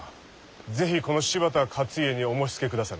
是非この柴田勝家にお申しつけくだされ。